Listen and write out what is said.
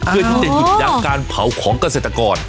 เพื่อที่จะอยู่ที่ดังการเผาของเกษตรกร